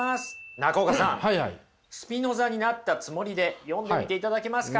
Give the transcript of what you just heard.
中岡さんスピノザになったつもりで読んでみていただけますか？